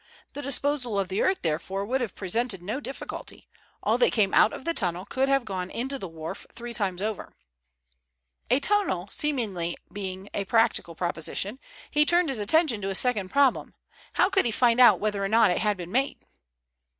The disposal of the earth, therefore, would have presented no difficulty. All that came out of the tunnel could have gone into the wharf three times over. A tunnel seemingly being a practical proposition, he turned his attention to his second problem. How could he find out whether or not it had been made?